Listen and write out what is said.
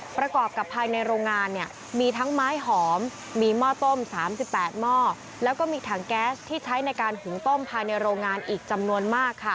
ประกอบกับภายในโรงงานมีทั้งไม้หอม